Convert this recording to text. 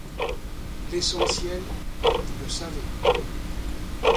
L'essentiel, vous le savez.